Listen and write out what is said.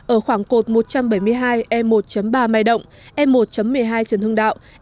ở khoảng cột một trăm bảy mươi ba đồng